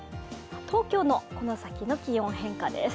東京のこの先の気温変化です。